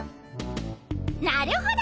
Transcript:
なるほど。